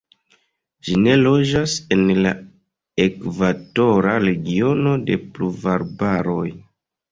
Ĝi ne loĝas en la ekvatora regiono de pluvarbaroj.